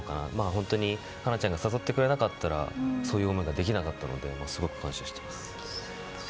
本当に哉中ちゃんが誘ってくれなかったらそういう思いができなかったのですごく感謝しています。